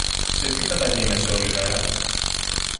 Σε τι καταγίνεσαι όλη μέρα;